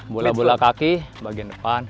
bola bola kaki bagian depan